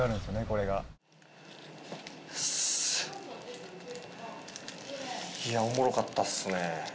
これがいやおもろかったっすね